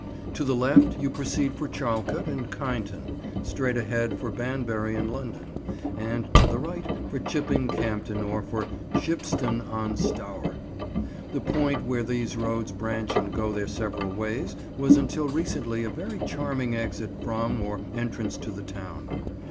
To the left you proceed for Charlecote and Kineton; straight ahead for Banbury and London; and to the right for Chipping Campden or for Shipston on Stour. The point where these roads branch and go their several ways was until recently a very charming exit from or entrance to the town.